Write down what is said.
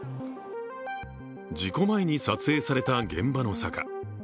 事故前に撮影された現場の坂。